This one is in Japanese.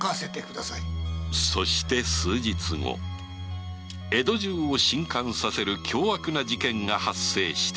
そして数日後江戸中を震撼させる凶悪な事件が発生した